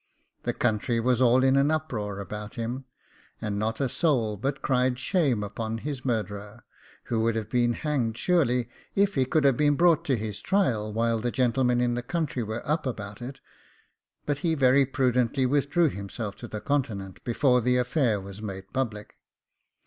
The country was all in an uproar about him, and not a soul but cried shame upon his murderer, who would have been hanged surely, if he could have been brought to his trial, whilst the gentlemen in the country were up about it; but he very prudently withdrew himself to the Continent before the affair was made public.